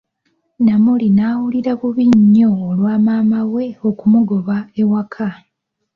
Namuli n'awulira bubi nnyo olwa maama we okumugoba ewaka.